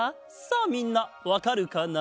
さあみんなわかるかな？